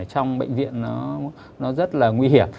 trong bệnh viện nó rất là nguy hiểm